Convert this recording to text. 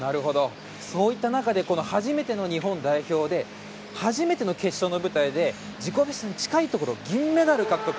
そういった中で初めての日本代表で初めての決勝の舞台で自己ベストに近いところ銀メダルを獲得。